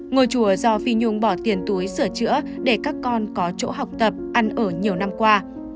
ngôi chùa do phi nhung bỏ tiền túi sửa chữa để các con có chỗ học tập ăn ở nhiều năm qua